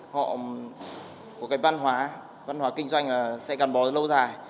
họ có cái văn hóa văn hóa kinh doanh sẽ gắn bó với lâu dài